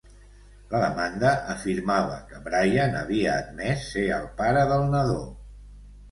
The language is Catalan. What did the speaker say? La demanda afirmava que Brian havia admès ser el pare del nadó.